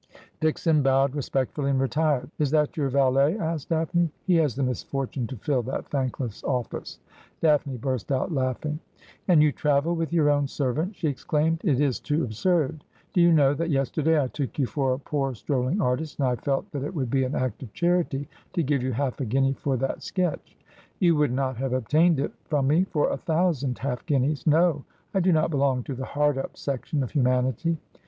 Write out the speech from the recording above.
Dickson bowed respectfully and retired. ' Is that your valet ?' asked Daphne. ' He has the misfortune to fill that thankless of&ce.' Daphne burst out laughing. ' And you travel with your own servant ?' she exclaimed. ' It is too absurd ! Do you know that yesterday I took you for a poor strolling artist, and I felt that it would be an act of charity to give you half a guinea for that sketch?' ' You would not have obtained it from me for a thousand half guineas. No ; I do not belong to the hard up section of humanity.